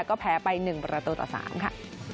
ก็แพ้ไป๑ประตูต่อ๓ค่ะ